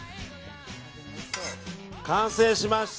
完成しました！